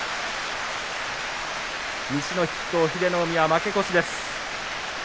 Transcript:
西の筆頭英乃海は負け越しです。